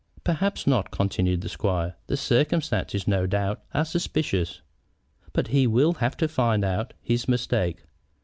"Perhaps not," continued the squire; "the circumstances, no doubt, are suspicious. But he will have to find out his mistake.